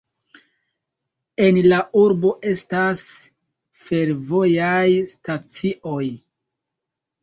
En la urbo estas fervojaj stacioj.